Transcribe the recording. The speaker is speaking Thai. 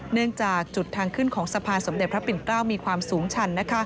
เนื่องจากจุดทางขึ้นของสะพานสมเด็จพระปิ่นเกล้ามีความสูงชัน